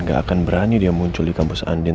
gak akan berani dia muncul di kampus andin